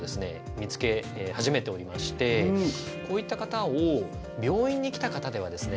見つけ始めておりましてこういった方を病院に来た方ではですね